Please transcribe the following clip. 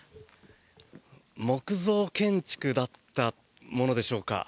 木造建築だったものでしょうか。